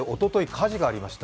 火事がありました。